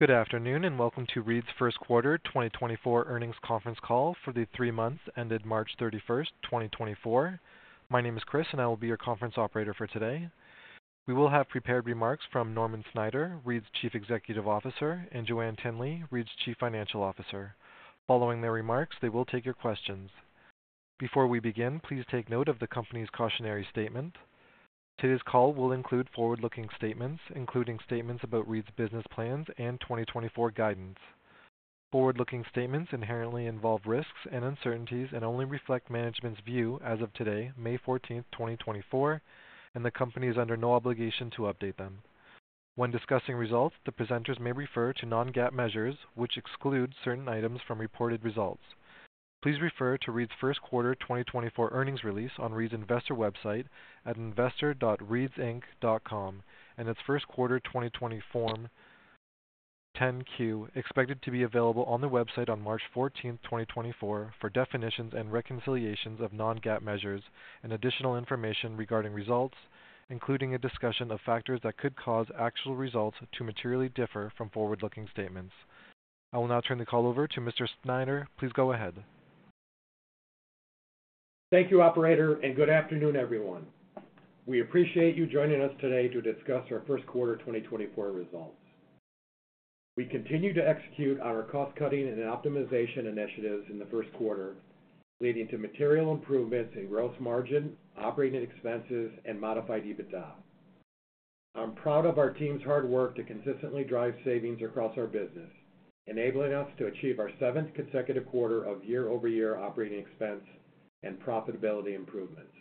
Good afternoon and welcome to Reed's first quarter 2024 earnings conference call for the three months ended March 31st, 2024. My name is Chris and I will be your conference operator for today. We will have prepared remarks from Norman Snyder, Reed's Chief Executive Officer, and Joann Tinnelly, Reed's Chief Financial Officer. Following their remarks, they will take your questions. Before we begin, please take note of the company's cautionary statement. Today's call will include forward-looking statements, including statements about Reed's business plans and 2024 guidance. Forward-looking statements inherently involve risks and uncertainties and only reflect management's view as of today, May 14th, 2024, and the company is under no obligation to update them. When discussing results, the presenters may refer to non-GAAP measures, which exclude certain items from reported results. Please refer to Reed's first quarter 2024 earnings release on Reed's investor website at investor.reedsinc.com. and its first quarter 2020 Form 10-Q expected to be available on the website on March 14th, 2024, for definitions and reconciliations of non-GAAP measures and additional information regarding results, including a discussion of factors that could cause actual results to materially differ from forward-looking statements. I will now turn the call over to Mr. Snyder. Please go ahead. Thank you, operator, and good afternoon, everyone. We appreciate you joining us today to discuss our first quarter 2024 results. We continue to execute on our cost-cutting and optimization initiatives in the first quarter, leading to material improvements in gross margin, operating expenses, and Modified EBITDA. I'm proud of our team's hard work to consistently drive savings across our business, enabling us to achieve our seventh consecutive quarter of year-over-year operating expense and profitability improvements.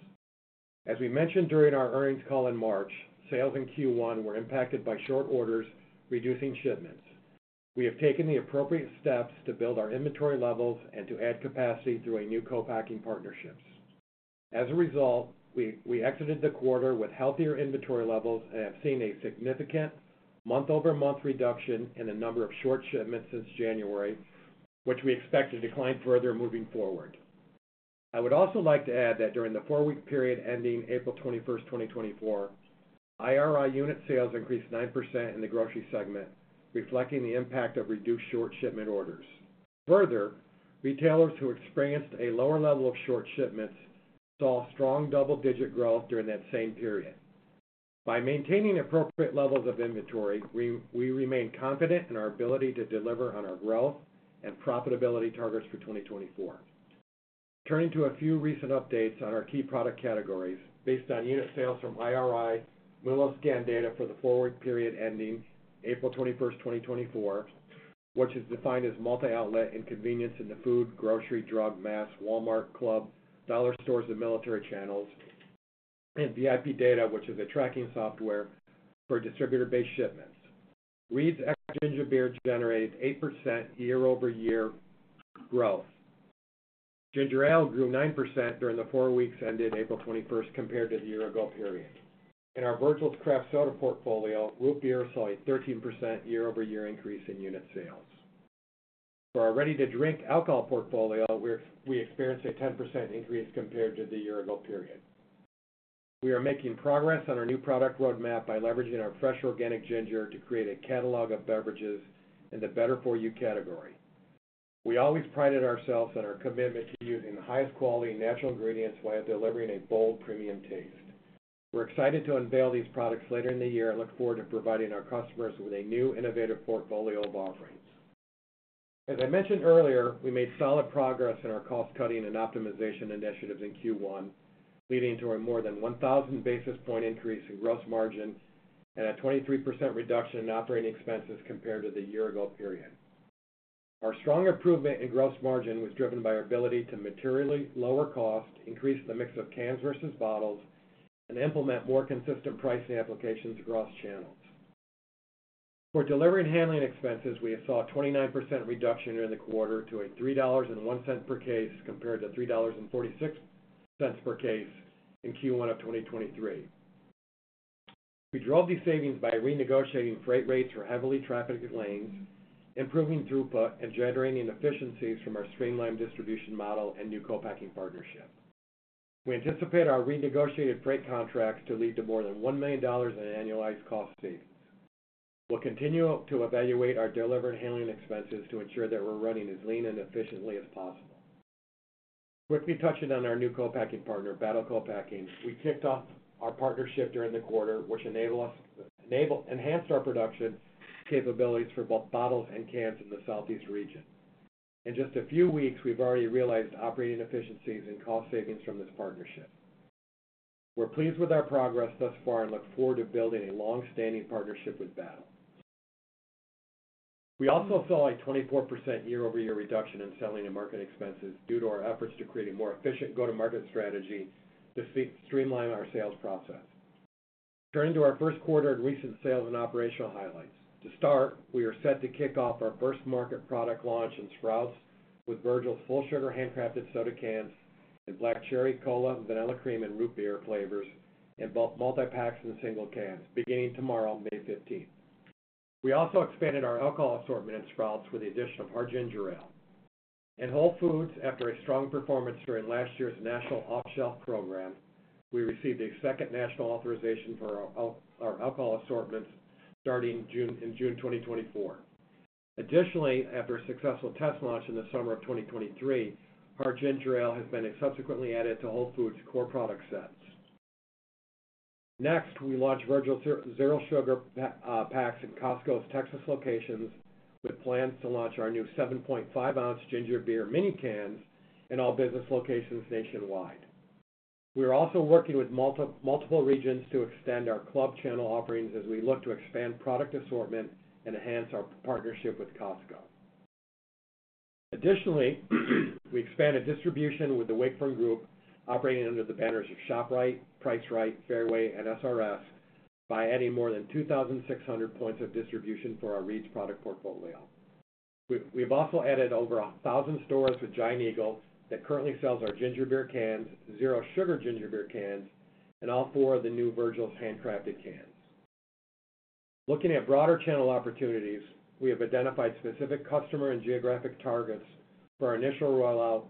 As we mentioned during our earnings call in March, sales in Q1 were impacted by short orders reducing shipments. We have taken the appropriate steps to build our inventory levels and to add capacity through a new co-packing partnerships. As a result, we exited the quarter with healthier inventory levels and have seen a significant month-over-month reduction in the number of short shipments since January, which we expect to decline further moving forward. I would also like to add that during the four week period ending April 21st, 2024, IRI unit sales increased 9% in the grocery segment, reflecting the impact of reduced short shipment orders. Further, retailers who experienced a lower level of short shipments saw strong double-digit growth during that same period. By maintaining appropriate levels of inventory, we remain confident in our ability to deliver on our growth and profitability targets for 2024. Turning to a few recent updates on our key product categories based on unit sales from IRI, MULO scan data for the four week period ending April 21st, 2024, which is defined as multi-outlet, including convenience, in the food, grocery, drug, mass, Walmart, club, dollar stores, and military channels, and VIP data, which is a tracking software for distributor-based shipments. Reed's Extra Ginger Beer generated 8% year-over-year growth. Ginger Ale grew 9% during the four weeks ending April 21st compared to the year-ago period. In our Virgil's Craft Soda portfolio, Root Beer saw a 13% year-over-year increase in unit sales. For our ready-to-drink alcohol portfolio, we experienced a 10% increase compared to the year-ago period. We are making progress on our new product roadmap by leveraging our fresh organic ginger to create a catalog of beverages in the better-for-you category. We always prided ourselves on our commitment to using the highest quality natural ingredients while delivering a bold premium taste. We're excited to unveil these products later in the year and look forward to providing our customers with a new, innovative portfolio of offerings. As I mentioned earlier, we made solid progress in our cost-cutting and optimization initiatives in Q1, leading to a more than 1,000 basis point increase in gross margin and a 23% reduction in operating expenses compared to the year-ago period. Our strong improvement in gross margin was driven by our ability to materially lower cost, increase the mix of cans versus bottles, and implement more consistent pricing applications across channels. For delivery and handling expenses, we saw a 29% reduction during the quarter to a $3.01 per case compared to $3.46 per case in Q1 of 2023. We drove these savings by renegotiating freight rates for heavily trafficked lanes, improving throughput, and generating efficiencies from our streamlined distribution model and new co-packing partnership. We anticipate our renegotiated freight contracts to lead to more than $1 million in annualized cost savings. We'll continue to evaluate our delivery and handling expenses to ensure that we're running as lean and efficiently as possible. Quickly touching on our new co-packing partner, Battle Co-Packing, we kicked off our partnership during the quarter, which enhanced our production capabilities for both bottles and cans in the Southeast region. In just a few weeks, we've already realized operating efficiencies and cost savings from this partnership. We're pleased with our progress thus far and look forward to building a longstanding partnership with Battle. We also saw a 24% year-over-year reduction in selling and marketing expenses due to our efforts to create a more efficient go-to-market strategy to streamline our sales process. Turning to our first quarter and recent sales and operational highlights. To start, we are set to kick off our first market product launch in Sprouts with Virgil's full sugar Handcrafted Soda cans and Black Cherry Cola, Vanilla Cream and Root Beer flavors, in both multi-packs and single cans, beginning tomorrow, May 15th. We also expanded our alcohol assortment in Sprouts with the addition of Hard Ginger Ale. In Whole Foods, after a strong performance during last year's national off-shelf program, we received a second national authorization for our alcohol assortments starting in June 2024. Additionally, after a successful test launch in the summer of 2023, Hard Ginger Ale has been subsequently added to Whole Foods' core product sets. Next, we launched Virgil's Zero Sugar packs in Costco's Texas locations with plans to launch our new 7.5 oz ginger beer mini cans in all business locations nationwide. We are also working with multiple regions to extend our club channel offerings as we look to expand product assortment and enhance our partnership with Costco. Additionally, we expanded distribution with the Wakefern Group operating under the banners of ShopRite, Price Rite, Fairway, and SRS by adding more than 2,600 points of distribution for our Reed's product portfolio. We've also added over 1,000 stores with Giant Eagle that currently sells our ginger beer cans, Zero Sugar Ginger Beer cans, and all four of the new Virgil's Handcrafted cans. Looking at broader channel opportunities, we have identified specific customer and geographic targets for our initial rollout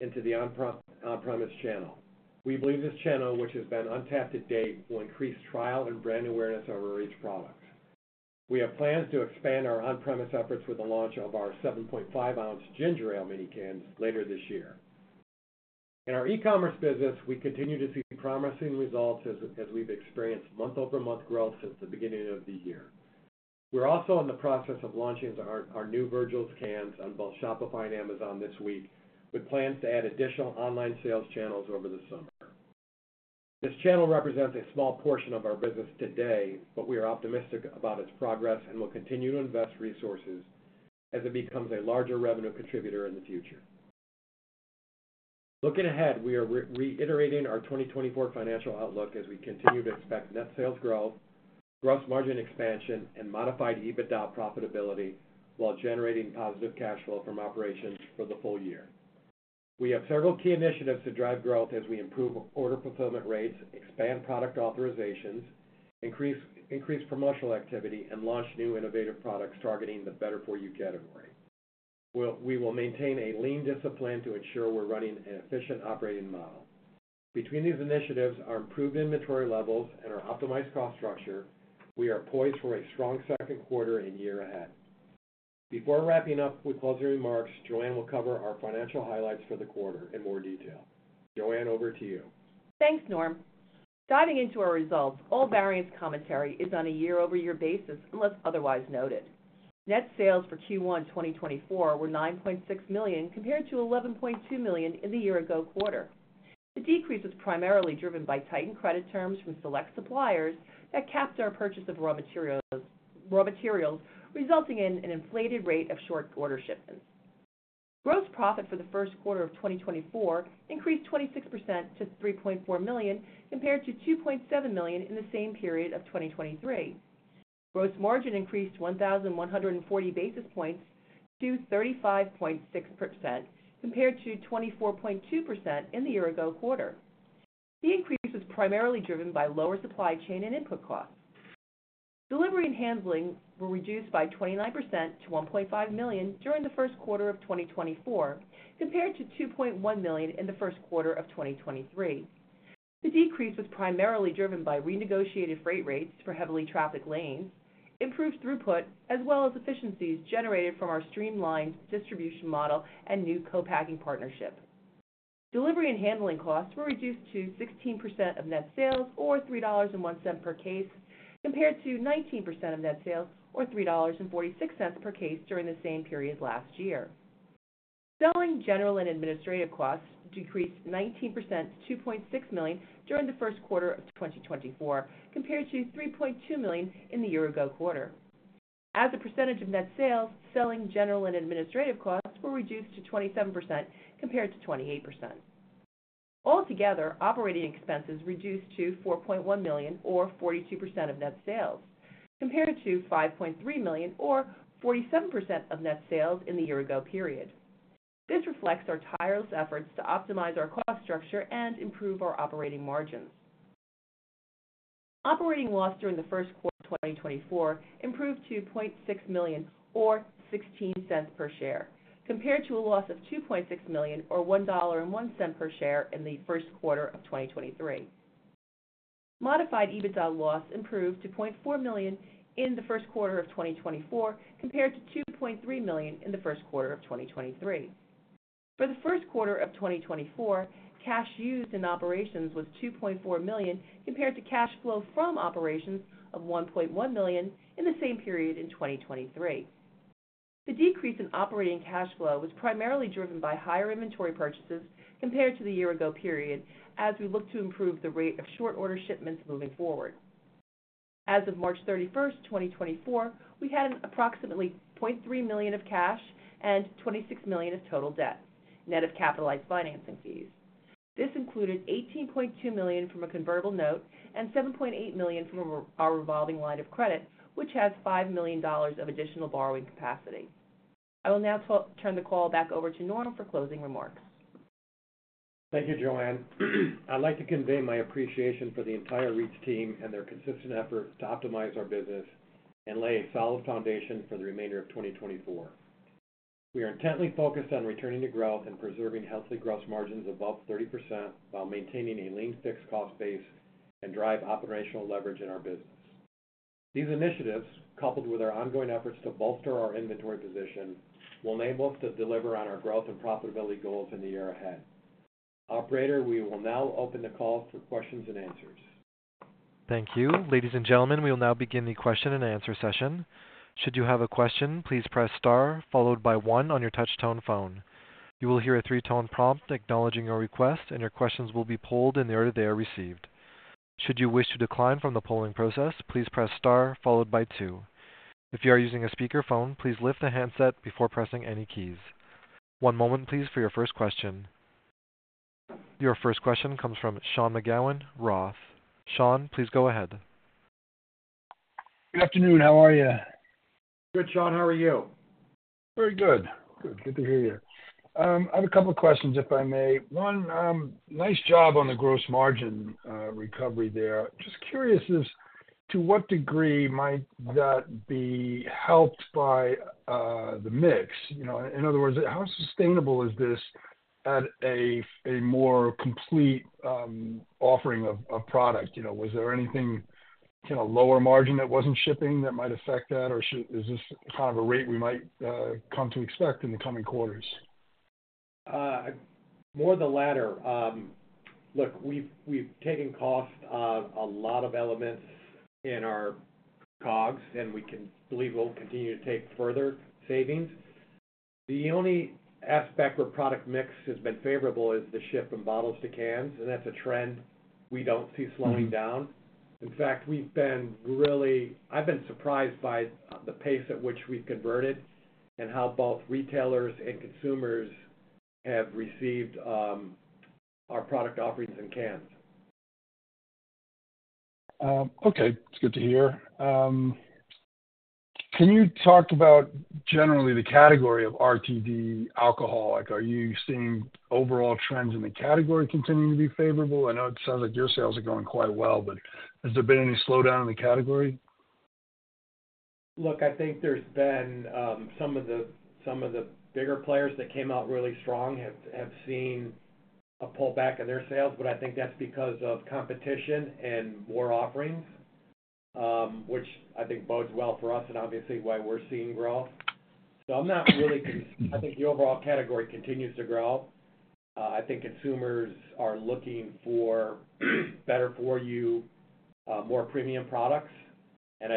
into the on-premise channel. We believe this channel, which has been untapped to date, will increase trial and brand awareness of our Reed's products. We have plans to expand our on-premise efforts with the launch of our 7.5 oz ginger ale mini cans later this year. In our e-commerce business, we continue to see promising results as we've experienced month-over-month growth since the beginning of the year. We're also in the process of launching our new Virgil's cans on both Shopify and Amazon this week with plans to add additional online sales channels over the summer. This channel represents a small portion of our business today, but we are optimistic about its progress and will continue to invest resources as it becomes a larger revenue contributor in the future. Looking ahead, we are reiterating our 2024 financial outlook as we continue to expect net sales growth, gross margin expansion, and Modified EBITDA profitability while generating positive cash flow from operations for the full year. We have several key initiatives to drive growth as we improve order fulfillment rates, expand product authorizations, increase promotional activity, and launch new innovative products targeting the better-for-you category. We will maintain a lean discipline to ensure we're running an efficient operating model. Between these initiatives, our improved inventory levels, and our optimized cost structure, we are poised for a strong second quarter and year ahead. Before wrapping up with closing remarks, Joann will cover our financial highlights for the quarter in more detail. Joann, over to you. Thanks, Norm. Diving into our results, all variance commentary is on a year-over-year basis unless otherwise noted. Net sales for Q1 2024 were $9.6 million compared to $11.2 million in the year-ago quarter. The decrease was primarily driven by tightened credit terms from select suppliers that capped our purchase of raw materials, resulting in an inflated rate of short order shipments. Gross profit for the first quarter of 2024 increased 26% to $3.4 million compared to $2.7 million in the same period of 2023. Gross margin increased 1,140 basis points to 35.6% compared to 24.2% in the year-ago quarter. The increase was primarily driven by lower supply chain and input costs. Delivery and handling were reduced by 29% to $1.5 million during the first quarter of 2024 compared to $2.1 million in the first quarter of 2023. The decrease was primarily driven by renegotiated freight rates for heavily trafficked lanes, improved throughput, as well as efficiencies generated from our streamlined distribution model and new co-packing partnership. Delivery and handling costs were reduced to 16% of net sales or $3.01 per case compared to 19% of net sales or $3.46 per case during the same period last year. Selling general and administrative costs decreased 19% to $2.6 million during the first quarter of 2024 compared to $3.2 million in the year-ago quarter. As a percentage of net sales, selling general and administrative costs were reduced to 27% compared to 28%. Altogether, operating expenses reduced to $4.1 million or 42% of net sales compared to $5.3 million or 47% of net sales in the year-ago period. This reflects our tireless efforts to optimize our cost structure and improve our operating margins. Operating loss during the first quarter of 2024 improved to $0.6 million or $0.16 per share compared to a loss of $2.6 million or $1.01 per share in the first quarter of 2023. Modified EBITDA loss improved to $0.4 million in the first quarter of 2024 compared to $2.3 million in the first quarter of 2023. For the first quarter of 2024, cash used in operations was $2.4 million compared to cash flow from operations of $1.1 million in the same period in 2023. The decrease in operating cash flow was primarily driven by higher inventory purchases compared to the year-ago period as we looked to improve the rate of short order shipments moving forward. As of March 31st, 2024, we had approximately $0.3 million of cash and $26 million of total debt, net of capitalized financing fees. This included $18.2 million from a convertible note and $7.8 million from our revolving line of credit, which has $5 million of additional borrowing capacity. I will now turn the call back over to Norm for closing remarks. Thank you, Joann. I'd like to convey my appreciation for the entire Reed's team and their consistent effort to optimize our business and lay a solid foundation for the remainder of 2024. We are intently focused on returning to growth and preserving healthy gross margins above 30% while maintaining a lean fixed cost base and drive operational leverage in our business. These initiatives, coupled with our ongoing efforts to bolster our inventory position, will enable us to deliver on our growth and profitability goals in the year ahead. Operator, we will now open the call for questions and answers. Thank you. Ladies and gentlemen, we will now begin the question and answer session. Should you have a question, please press star followed by one on your touch-tone phone. You will hear a three-tone prompt acknowledging your request, and your questions will be polled in the order they are received. Should you wish to decline from the polling process, please press star followed by two. If you are using a speakerphone, please lift the handset before pressing any keys. One moment, please, for your first question. Your first question comes from Sean McGowan from Roth. Sean, please go ahead. Good afternoon. How are you? Good, Sean. How are you? Very good. Good. Good to hear you. I have a couple of questions, if I may. One, nice job on the gross margin recovery there. Just curious to what degree might that be helped by the mix? In other words, how sustainable is this at a more complete offering of product? Was there anything lower margin that wasn't shipping that might affect that, or is this kind of a rate we might come to expect in the coming quarters? More the latter. Look, we've taken cost of a lot of elements in our COGS, and we believe we'll continue to take further savings. The only aspect where product mix has been favorable is the shift from bottles to cans, and that's a trend we don't see slowing down. In fact, I've been surprised by the pace at which we've converted and how both retailers and consumers have received our product offerings in cans. Okay. It's good to hear. Can you talk about, generally, the category of RTD alcoholic? Are you seeing overall trends in the category continuing to be favorable? I know it sounds like your sales are going quite well, but has there been any slowdown in the category? Look, I think there's been some of the bigger players that came out really strong have seen a pullback in their sales, but I think that's because of competition and more offerings, which I think bodes well for us and, obviously, why we're seeing growth. So I think the overall category continues to grow. I think consumers are looking for better-for-you, more premium products, and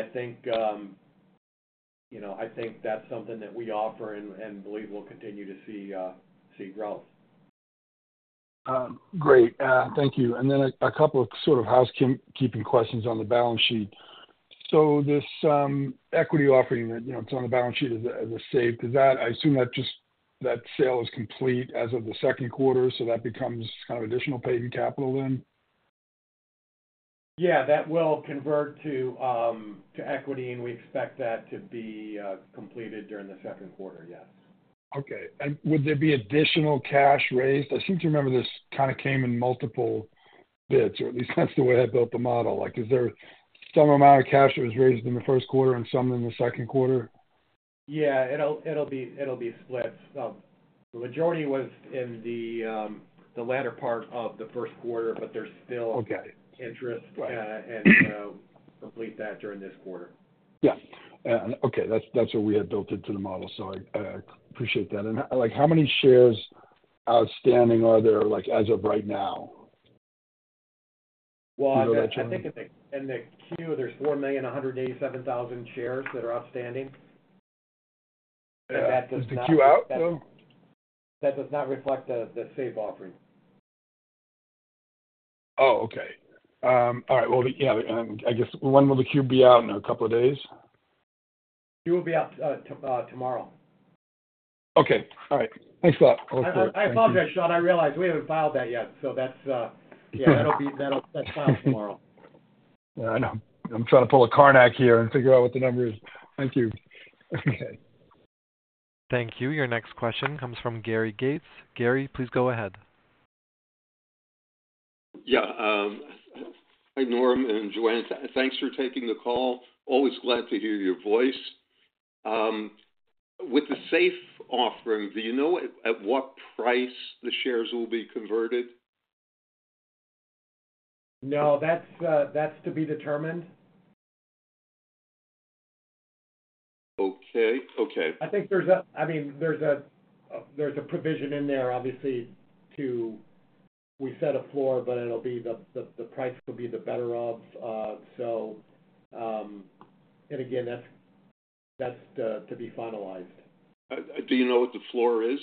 I think that's something that we offer and believe we'll continue to see growth. Great. Thank you. And then a couple of sort of housekeeping questions on the balance sheet. So this equity offering that's on the balance sheet as a SAFE, I assume that sale is complete as of the second quarter, so that becomes kind of additional paid-in capital then? Yeah. That will convert to equity, and we expect that to be completed during the second quarter. Yes. Okay. Would there be additional cash raised? I seem to remember this kind of came in multiple bits, or at least that's the way I built the model. Is there some amount of cash that was raised in the first quarter and some in the second quarter? Yeah. It'll be split. The majority was in the latter part of the first quarter, but there's still interest and complete that during this quarter. Yeah. Okay. That's what we had built into the model, so I appreciate that. How many shares outstanding are there as of right now? Well, I think in the Q, there's 4,187,000 shares that are outstanding, and that does not. Is the Q out, though? That does not reflect the SAFE offering. Oh, okay. All right. Well, yeah, I guess when will the Q be out in a couple of days? Q will be out tomorrow. Okay. All right. Thanks a lot. Have a good day. I apologize, Sean. I realize we haven't filed that yet, so yeah, that'll be filed tomorrow. Yeah. I know. I'm trying to pull a Carnac here and figure out what the number is. Thank you. Okay. Thank you. Your next question comes from Gary Gates. Gary, please go ahead. Yeah. Hi, Norm and Joann. Thanks for taking the call. Always glad to hear your voice. With the SAFE offering, do you know at what price the shares will be converted? No. That's to be determined. Okay. Okay. I mean, there's a provision in there, obviously, to we set a floor, but it'll be the price will be the better of. And again, that's to be finalized. Do you know what the floor is?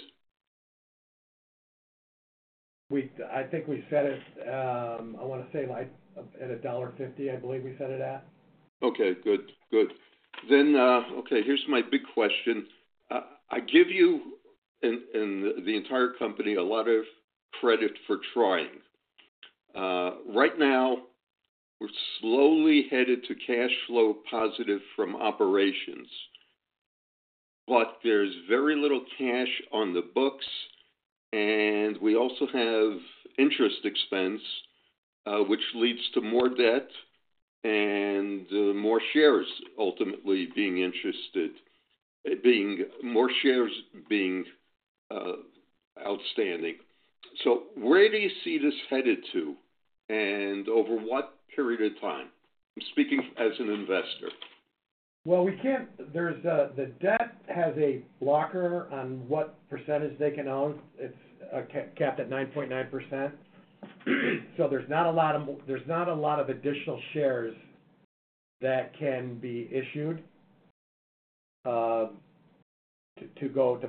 I think we set it, I want to say, at $1.50, I believe we set it at. Okay. Good. Good. Then, okay, here's my big question. I give you and the entire company a lot of credit for trying. Right now, we're slowly headed to cash flow positive from operations, but there's very little cash on the books, and we also have interest expense, which leads to more debt and more shares, ultimately, being issued, more shares being outstanding. So where do you see this headed to, and over what period of time? I'm speaking as an investor. Well, the debt has a blocker on what percentage they can own. It's capped at 9.9%. So there's not a lot of additional shares that can be issued to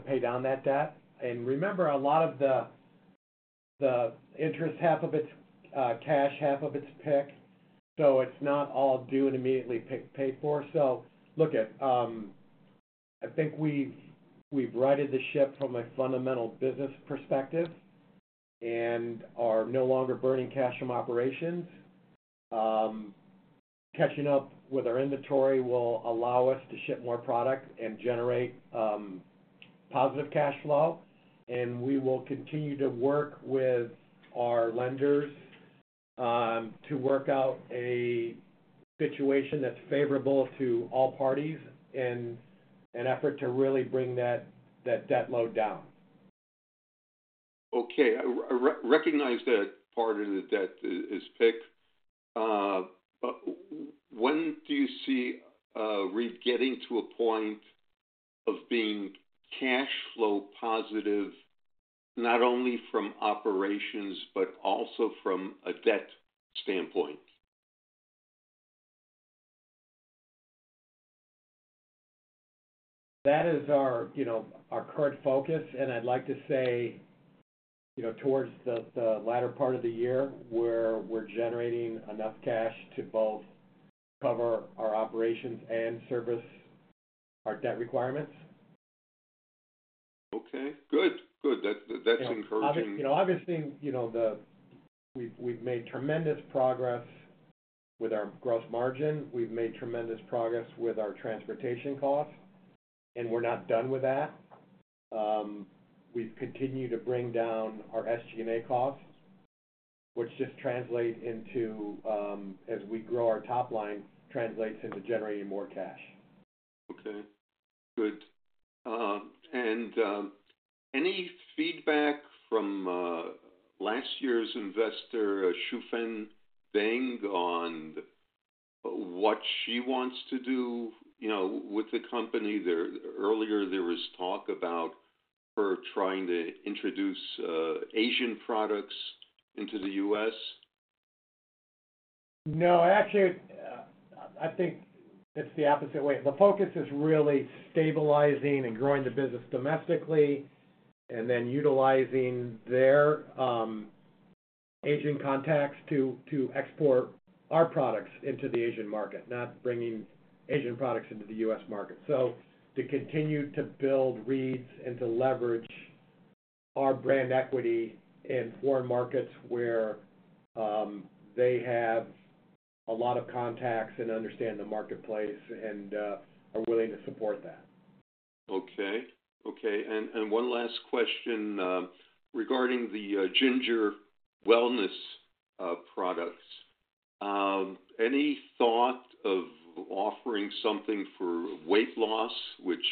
pay down that debt. And remember, a lot of the interest, half of it's cash, half of it's PIK, so it's not all due and immediately paid for. So look, I think we've righted the ship from a fundamental business perspective and are no longer burning cash from operations. Catching up with our inventory will allow us to ship more product and generate positive cash flow, and we will continue to work with our lenders to work out a situation that's favorable to all parties in an effort to really bring that debt load down. Okay. I recognize that part of the debt is PIK, but when do you see Reed's getting to a point of being cash flow positive, not only from operations but also from a debt standpoint? That is our current focus, and I'd like to say towards the latter part of the year where we're generating enough cash to both cover our operations and service our debt requirements. Okay. Good. Good. That's encouraging. Obviously, we've made tremendous progress with our gross margin. We've made tremendous progress with our transportation costs, and we're not done with that. We've continued to bring down our SG&A costs, which just translates into, as we grow our top line, translates into generating more cash. Okay. Good. And any feedback from last year's investor, Shufen Dan, on what she wants to do with the company? Earlier, there was talk about her trying to introduce Asian products into the U.S. No. Actually, I think it's the opposite way. The focus is really stabilizing and growing the business domestically and then utilizing their Asian contacts to export our products into the Asian market, not bringing Asian products into the U.S. market. So to continue to build Reed's and to leverage our brand equity in foreign markets where they have a lot of contacts and understand the marketplace and are willing to support that. Okay. Okay. One last question regarding the ginger wellness products. Any thought of offering something for weight loss, which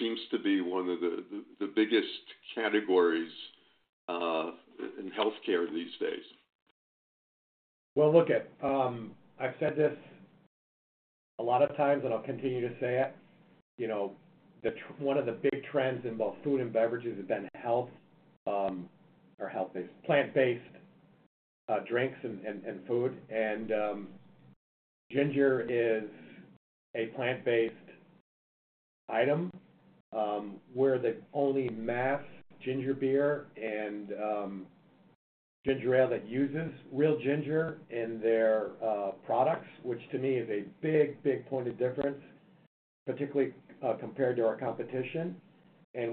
seems to be one of the biggest categories in healthcare these days? Well, look, I've said this a lot of times, and I'll continue to say it. One of the big trends in both food and beverages has been health or health-based plant-based drinks and food. Ginger is a plant-based item. We're the only mass ginger beer and ginger ale that uses real ginger in their products, which to me is a big, big point of difference, particularly compared to our competition.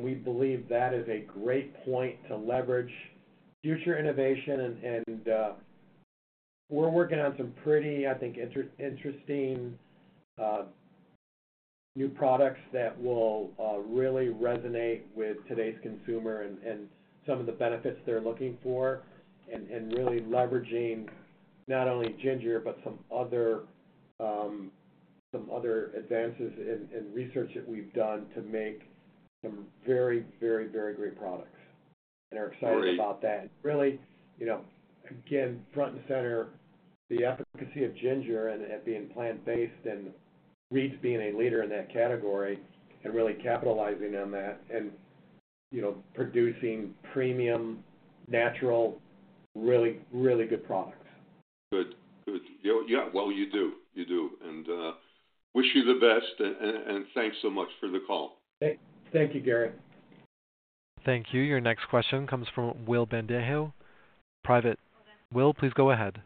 We believe that is a great point to leverage future innovation. We're working on some pretty, I think, interesting new products that will really resonate with today's consumer and some of the benefits they're looking for and really leveraging not only ginger but some other advances in research that we've done to make some very, very, very great products. We're excited about that. Really, again, front and center, the efficacy of ginger and it being plant-based and Reed's being a leader in that category and really capitalizing on that and producing premium, natural, really, really good products. Good. Good. Yeah. Well, you do. You do. Wish you the best, and thanks so much for the call. Thank you, Gary. Thank you. Your next question comes` from Will Bendezu, private. Will, please go ahead.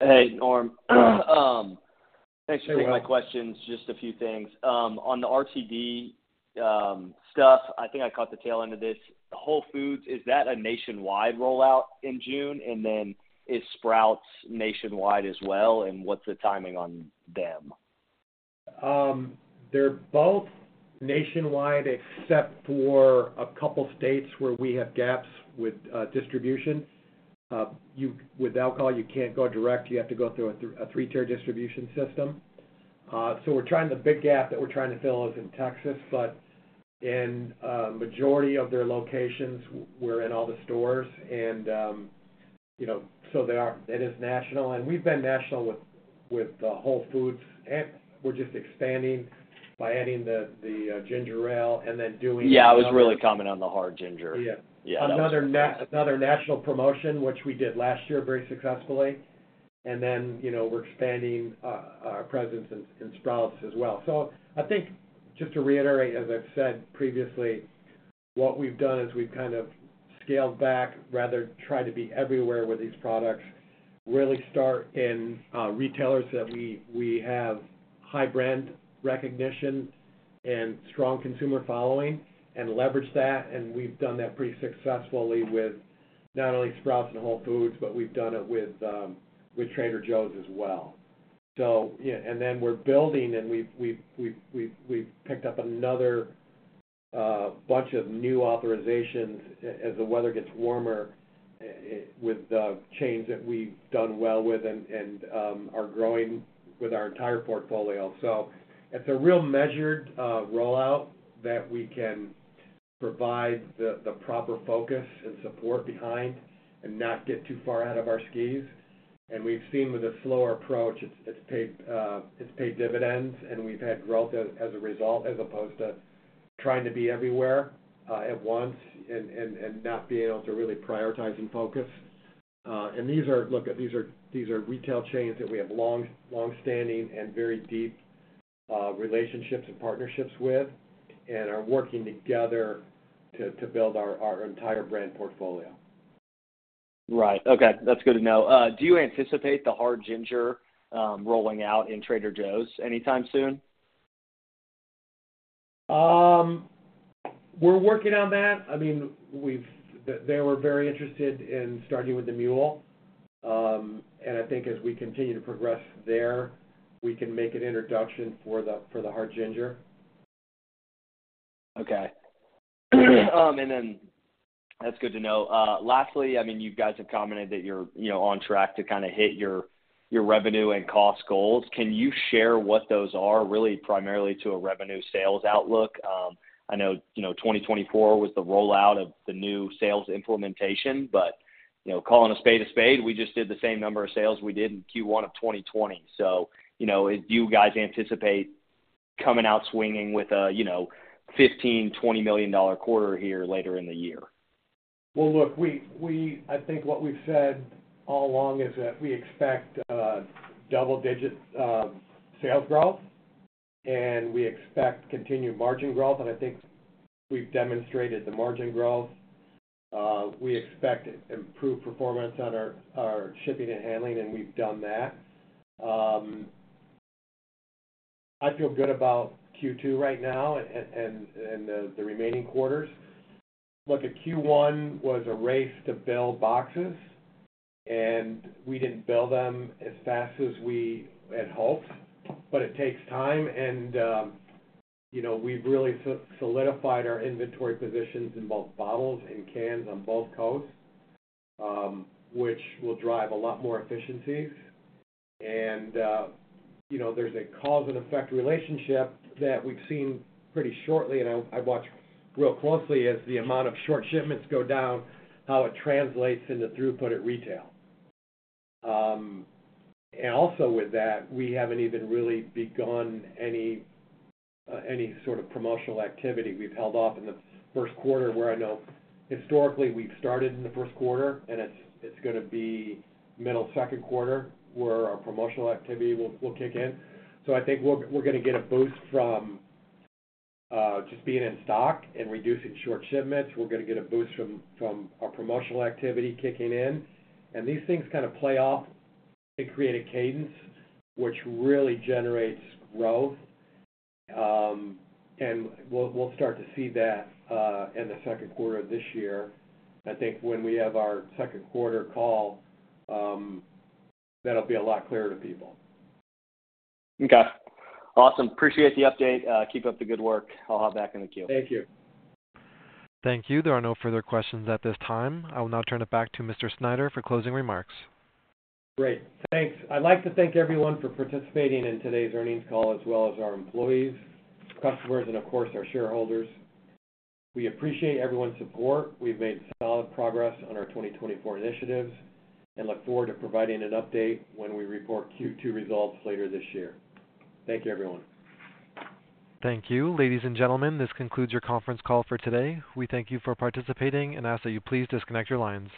Hey, Norm. Thanks for taking my questions. Just a few things. On the RTD stuff, I think I caught the tail end of this. Whole Foods, is that a nationwide rollout in June, and then is Sprouts nationwide as well, and what's the timing on them? They're both nationwide, except for a couple of states where we have gaps with distribution. With alcohol, you can't go direct. You have to go through a three-tier distribution system. So the big gap that we're trying to fill is in Texas, but in the majority of their locations, we're in all the stores. And so it is national. And we've been national with Whole Foods. We're just expanding by adding the ginger ale and then doing the. Yeah. I was really commenting on the hard ginger. Yeah. Another national promotion, which we did last year very successfully. And then we're expanding our presence in Sprouts as well. So I think just to reiterate, as I've said previously, what we've done is we've kind of scaled back, rather tried to be everywhere with these products, really start in retailers that we have high brand recognition and strong consumer following, and leverage that. And we've done that pretty successfully with not only Sprouts and Whole Foods, but we've done it with Trader Joe's as well. Then we're building, and we've picked up another bunch of new authorizations as the weather gets warmer with chains that we've done well with and are growing with our entire portfolio. So it's a real measured rollout that we can provide the proper focus and support behind and not get too far out of our skis. We've seen with a slower approach, it's paid dividends, and we've had growth as a result as opposed to trying to be everywhere at once and not being able to really prioritize and focus. And look, these are retail chains that we have longstanding and very deep relationships and partnerships with and are working together to build our entire brand portfolio. Right. Okay. That's good to know. Do you anticipate the hard ginger rolling out in Trader Joe's anytime soon? We're working on that. I mean, they were very interested in starting with the mule. I think as we continue to progress there, we can make an introduction for the hard ginger. Okay. And then that's good to know. Lastly, I mean, you guys have commented that you're on track to kind of hit your revenue and cost goals. Can you share what those are, really primarily to a revenue sales outlook? I know 2024 was the rollout of the new sales implementation, but calling a spade a spade, we just did the same number of sales we did in Q1 of 2020. So do you guys anticipate coming out swinging with a $15 million-$20 million quarter here later in the year? Well, look, I think what we've said all along is that we expect double-digit sales growth, and we expect continued margin growth. I think we've demonstrated the margin growth. We expect improved performance on our shipping and handling, and we've done that. I feel good about Q2 right now and the remaining quarters. Look, Q1 was a race to build boxes, and we didn't build them as fast as we had hoped, but it takes time. We've really solidified our inventory positions in both bottles and cans on both coasts, which will drive a lot more efficiencies. There's a cause-and-effect relationship that we've seen pretty shortly, and I watch real closely as the amount of short shipments go down, how it translates into throughput at retail. Also with that, we haven't even really begun any sort of promotional activity. We've held off in the first quarter where I know historically, we've started in the first quarter, and it's going to be middle second quarter where our promotional activity will kick in. So I think we're going to get a boost from just being in stock and reducing short shipments. We're going to get a boost from our promotional activity kicking in. And these things kind of play off and create a cadence, which really generates growth. And we'll start to see that in the second quarter of this year. I think when we have our second quarter call, that'll be a lot clearer to people. Okay. Awesome. Appreciate the update. Keep up the good work. I'll hop back in the queue. Thank you. Thank you. There are no further questions at this time. I will now turn it back to Mr. Snyder for closing remarks. Great. Thanks. I'd like to thank everyone for participating in today's earnings call as well as our employees, customers, and, of course, our shareholders. We appreciate everyone's support. We've made solid progress on our 2024 initiatives and look forward to providing an update when we report Q2 results later this year. Thank you, everyone. Thank you. Ladies and gentlemen, this concludes your conference call for today. We thank you for participating and ask that you please disconnect your lines.